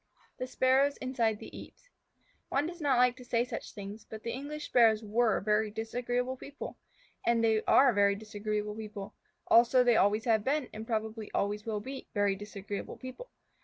THE SPARROWS INSIDE THE EAVES One does not like to say such things, but the English Sparrows were very disagreeable people. And they are very disagreeable people. Also, they always have been, and probably always will be, very disagreeable people.